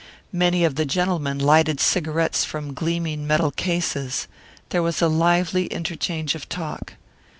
Many of the gentlemen lighted cigarettes from gleaming metal cases. There was a lively interchange of talk.